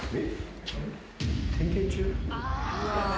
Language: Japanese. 点検中？